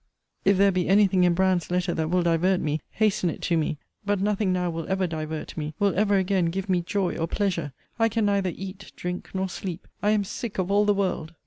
If there be any thing in Brand's letter that will divert me, hasten it to me. But nothing now will ever divert me, will ever again give me joy or pleasure! I can neither eat, drink, nor sleep. I am sick of all the world.